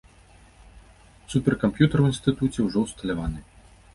Суперкамп'ютар у інстытуце ўжо ўсталяваны.